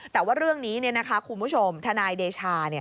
แต่ว่าเรื่องนี้คุณผู้ชมทนายเดชา